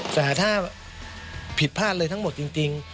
แต่ถ้าผิดพลาดเลยทั้งหมดจริง